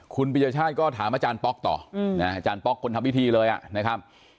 คุณปียชาติก็ถามอาจารย์ป๊อกต่ออาจารย์ป๊อกคนทำพิธีเลยนะครับ